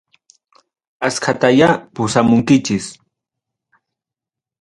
Askatayá pusamunkichis.